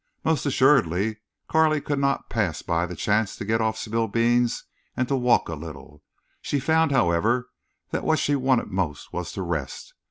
Most assuredly Carley could not pass by the chance to get off Spillbeans and to walk a little. She found, however, that what she wanted most was to rest.